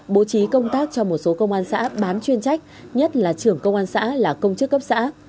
bố trí công tác cho một số công an xã bán chuyên trách nhất là trưởng công an xã là công chức cấp xã